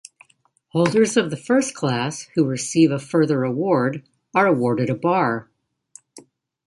Holders of the first class who receive a further award are awarded a bar.